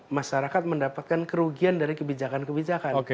masyarakat mendapatkan kerugian dari kebijakan kebijakan